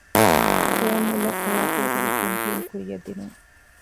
ފުވައްމުލައް އެއަރޕޯޓުގެ ކެންޓީން ކުއްޔަށްދިނުން